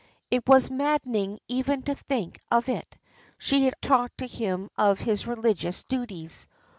It was maddening even to think of it. She had talked to him of his religious duties.